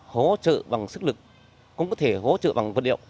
hỗ trợ bằng sức lực cũng có thể hỗ trợ bằng vật liệu